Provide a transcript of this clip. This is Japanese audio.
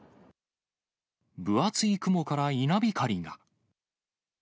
分厚い雲から稲光が。